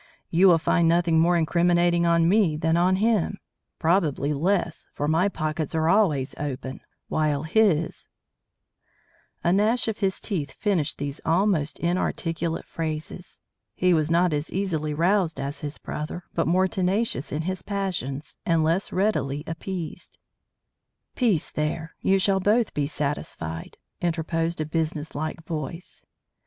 "You will find nothing more incriminating on me than on him; probably less, for my pockets are always open while his " A gnash of his teeth finished these almost inarticulate phrases. He was not as easily roused as his brother, but more tenacious in his passions, and less readily appeased. "Peace, there! You shall both be satisfied," interposed a businesslike voice.